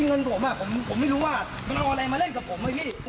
ผมต้องพูดออกมาแล้วพี่